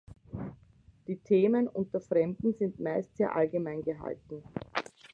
Die Themen unter Fremden sind meist sehr allgemein gehalten.